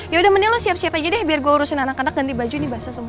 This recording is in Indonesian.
yaudah mendingan lu siap siap aja deh biar gue urusin anak anak ganti baju ini basah semua